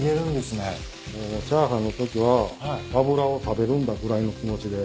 もうチャーハンのときは油を食べるんだぐらいの気持ちで。